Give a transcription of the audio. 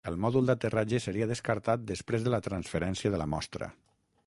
El mòdul d'aterratge seria descartat després de la transferència de la mostra.